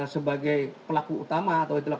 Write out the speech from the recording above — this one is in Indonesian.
sebagai pelaku utama